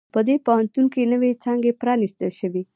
په دې پوهنتون کې نوی څانګي پرانیستل شوي